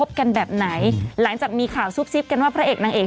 พระเอกจะขึ้นรถแล้วก็วนมารับนางเอก